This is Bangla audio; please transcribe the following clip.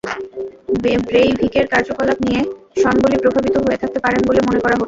ব্রেইভিকের কার্যকলাপ দিয়ে সনবোলি প্রভাবিত হয়ে থাকতে পারেন বলে মনে করা হচ্ছে।